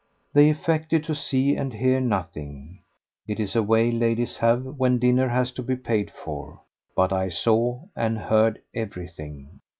They affected to see and hear nothing: it is a way ladies have when dinner has to be paid for; but I saw and heard everything.